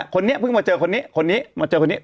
คนนี้เพิ่งมาเจอคนนี้คนนี้มาเจอคนนี้